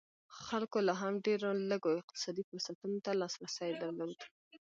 خلکو لا هم ډېرو لږو اقتصادي فرصتونو ته لاسرسی درلود.